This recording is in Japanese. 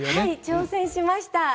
挑戦しました。